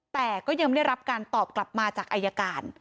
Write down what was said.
แต่ก็ยังได้รับการตอบกลับมาจากอายการ